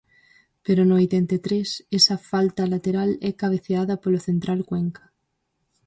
Pero no oitenta e tres, esta falta lateral é cabeceada polo central Cuenca.